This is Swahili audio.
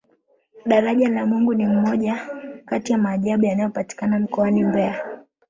daraja la mungu ni moja Kati ya maajabu yanayopatikana mkoani mbeya